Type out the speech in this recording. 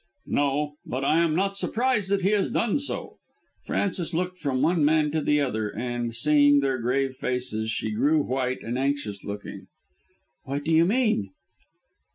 "No. But I am not surprised that he has done so." Frances looked from one man to the other and, seeing their grave faces, she grew white and anxious looking. "What do you mean?"